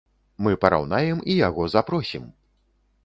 Мы параўнаем, і яго запросім!